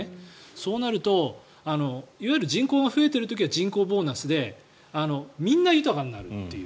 そうなるといわゆる、人口が増えている時は人口ボーナスでみんな豊かになるという。